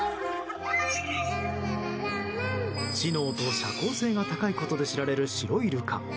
知能と社交性が高いことで知られるシロイルカ。